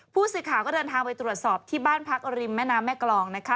ผู้สื่อข่าวก็เดินทางไปตรวจสอบที่บ้านพักริมแม่น้ำแม่กรองนะคะ